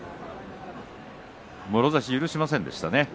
もろ差しを許しませんでしたね。